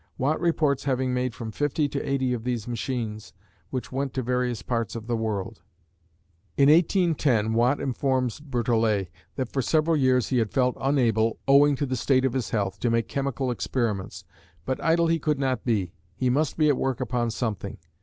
Watt reports having made from fifty to eighty of these machines, which went to various parts of the world. In 1810 Watt informs Berthollet that for several years he had felt unable, owing to the state of his health, to make chemical experiments. But idle he could not be; he must be at work upon something.